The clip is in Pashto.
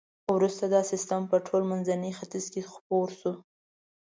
وروسته دا سیستم په ټول منځني ختیځ کې خپور شو.